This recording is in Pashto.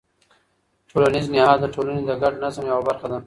ټولنیز نهاد د ټولنې د ګډ نظم یوه برخه ده.